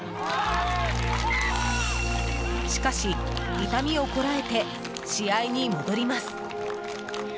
しかし、痛みをこらえて試合に戻ります。